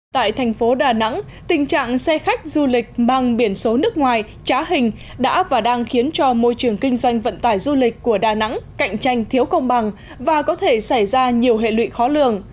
tại thành phố đà nẵng tình trạng xe khách du lịch bằng biển số nước ngoài trá hình đã và đang khiến cho môi trường kinh doanh vận tải du lịch của đà nẵng cạnh tranh thiếu công bằng và có thể xảy ra nhiều hệ lụy khó lường